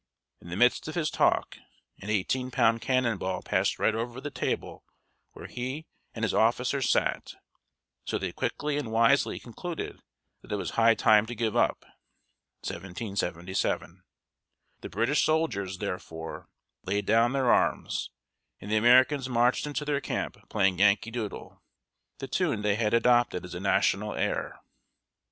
In the midst of his talk, an eighteen pound cannon ball passed right over the table where he and his officers sat, so they quickly and wisely concluded that it was high time to give up (1777). The British soldiers, therefore, laid down their arms, and the Americans marched into their camp playing "Yankee Doodle," the tune they had adopted as a national air.